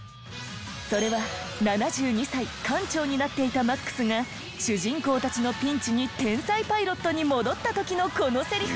それは７２歳艦長になっていたマックスが主人公たちのピンチに天才パイロットに戻った時のこのセリフ。